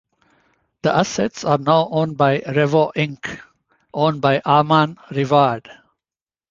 The assets are now owned by Revo Inc, owned by Armand Rivard.